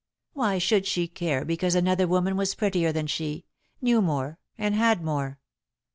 Why should she care because another woman was prettier than she, knew more, and had more?